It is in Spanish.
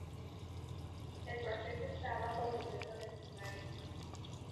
El proceso está bajo secreto de sumario.